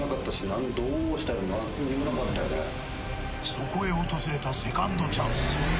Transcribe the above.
そこへ訪れたセカンドチャンス。